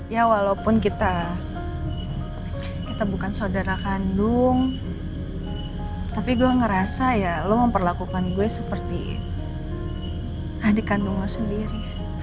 ya walaupun kita bukan saudara kandung tapi gue ngerasa ya lo memperlakukan gue seperti adik kandung lo sendiri